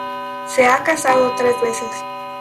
Se ha casado tres veces.